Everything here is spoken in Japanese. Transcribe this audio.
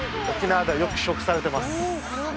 沖縄ではよく食されてます